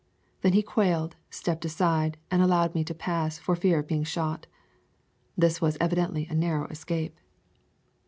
Then he quailed, stepped aside, and allowed me to pass, for fear of being shot. This was evidently a narrow escape.